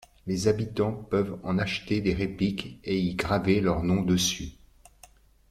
Les habitants peuvent en acheter des répliques et y graver leur nom dessus.